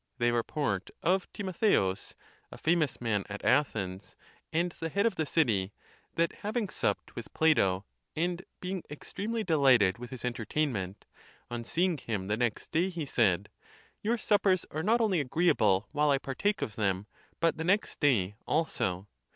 They report of Timotheus, a famous man at Athens, and the head of the city, that having supped with Plato, and being extremely delighted with his entertain ment, on seeing him the next day, he said, " Your suppers are not only agreeable while I partake of them, but the next day also."